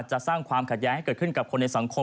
สร้างความขัดแย้งให้เกิดขึ้นกับคนในสังคม